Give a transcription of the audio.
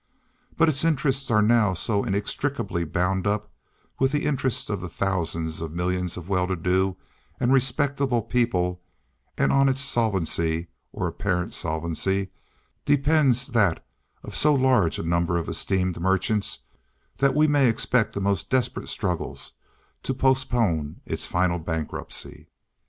But its interests are now so inextricably bound up with the interests of thousands and millions of well to do and respectable people, and on its solvency or apparent solvency depends that of so large a number of esteemed merchants, that we may expect the most desperate struggles to postpone its final bankruptcy.